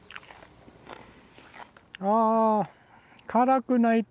あ辛くない。